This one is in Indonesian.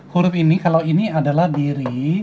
huruf ini kalau ini adalah diri